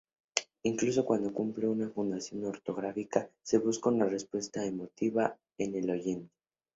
Incluso cuando cumple una función ortográfica se busca una respuesta emotiva en el oyente.